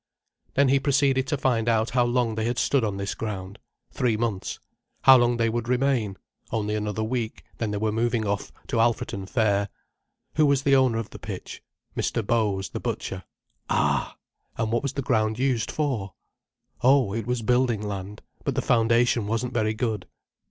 Then he proceeded to find out how long they had stood on this ground—three months—how long they would remain—only another week, then they were moving off to Alfreton fair—who was the owner of the pitch—Mr. Bows, the butcher. Ah! And what was the ground used for? Oh, it was building land. But the foundation wasn't very good.